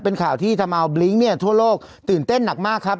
เป็นข่าวที่ทำเอาบลิ้งเนี่ยทั่วโลกตื่นเต้นหนักมากครับ